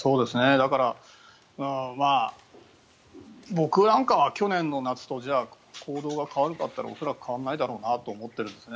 だから、僕なんかは去年の夏と行動が変わるかといったら恐らく変わらないだろうなと思ってるんですね。